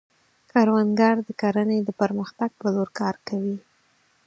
کروندګر د کرنې د پرمختګ په لور کار کوي